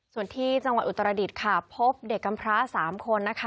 ส่วนที่จังหวัดอุตรดิษฐ์ค่ะพบเด็กกำพร้า๓คนนะคะ